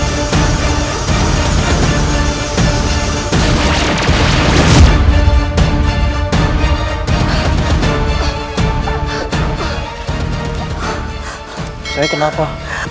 siapa itu papa